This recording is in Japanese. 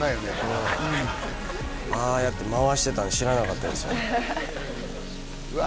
うんああやって回してたの知らなかったですねうわ